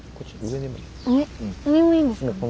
上もいいんですか？